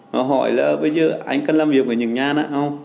nó hỏi là bây giờ anh cần làm việc ở những nhà nào không